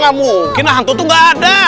gak mungkin hantu itu gak ada